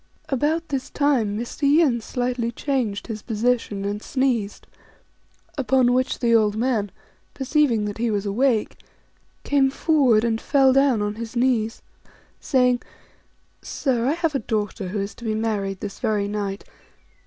About this time Mr. Yin slightly changed his position, and sneezed ; upon which the old man, perceiving that he was awake, came forward and fell down on his knees, saying, " Sir, I have a daughter who is to be married this very night.